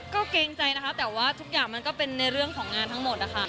ก็เกรงใจนะคะแต่ว่าทุกอย่างมันก็เป็นในเรื่องของงานทั้งหมดนะคะ